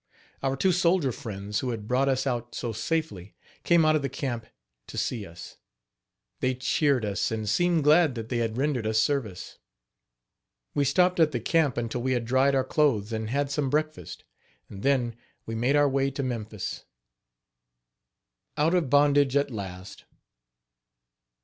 Our two soldier friends, who had brought us out so safely, came out of camp to see us. They cheered us, and seemed glad that they had rendered us service. We stopped at the camp until we had dried our clothes and had some breakfast; and, then, we made our way to Memphis. OUT OF BONDAGE AT LAST.